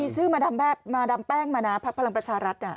ซื้อมาดามแป้งมานะพักพลังประชารัฐ